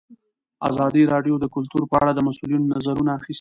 ازادي راډیو د کلتور په اړه د مسؤلینو نظرونه اخیستي.